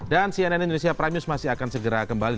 dan cnn indonesia prime news masih akan segera kembali